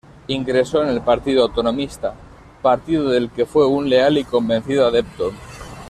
Ingresó en el Partido Autonomista, partido del que fue un leal y convencido adepto.